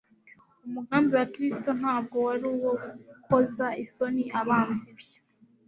umugambi wa Kristo ntabwo wari uwo gukoza isoni abanzi be: